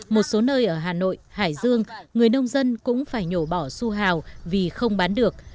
một số nơi ở hà nội hải dương người nông dân cũng phải nhổ bỏ su hào vì không bán được